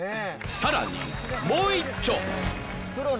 さらにもう一丁！